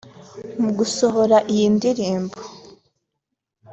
Mu gusohora iyi ndirimbo